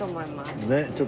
ねっ。